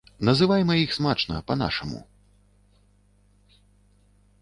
Называйма іх смачна, па-нашаму.